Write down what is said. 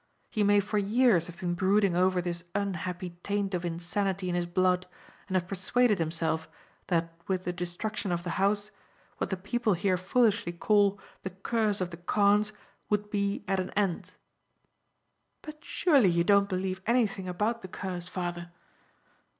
He may for years have been brooding over this unhappy taint of insanity in his blood, and have persuaded himself that with the destruction of the house, what the people here foolishly call the curse of the Carnes would be at an end." "But surely you don't believe anything about the curse, father?"